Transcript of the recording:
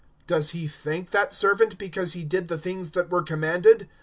(9)Does he thank that servant, because he did the things that were commanded?